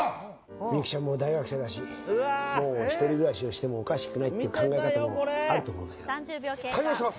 みゆきちゃんも大学生だしもう１人暮らしをしてもおかしくないっていう考え方もあると思うんだけど対応します！